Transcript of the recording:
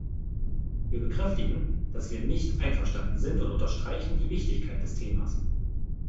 Wir bekräftigen, dass wir nicht einverstanden sind, und unterstreichen die Wichtigkeit des Themas.